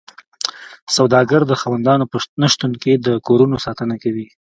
سوداګر د خاوندانو په نشتون کې د کورونو ساتنه کوي